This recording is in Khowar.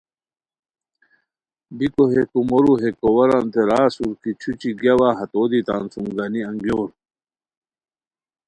بیکو ہے کومورو ہے کوؤرانتے را اسور کی چھوچی گیاوا ہتو دی تان سوم گانی انگیور